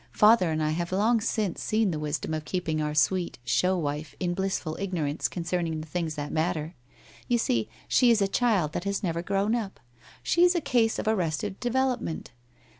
Father and I have long since seen the wisdom of keeping our sweet show wife in blissful ignorance concerning the things that matter. You see, she is a child that has never grown up. She's a case of arrested development.